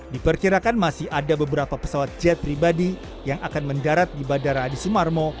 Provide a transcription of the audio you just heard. diperkirakan masih ada beberapa pesawat jet pribadi yang akan mendarat di bandara adi sumarmo